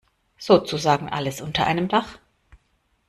Sozusagen alles unter einem Dach.